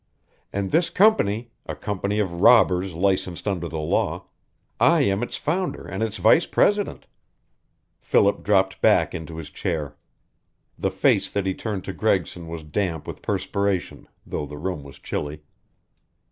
And this company a company of robbers licensed under the law I am its founder and its vice president!" Philip dropped back into his chair. The face that he turned to Gregson was damp with perspiration, though the room was chilly.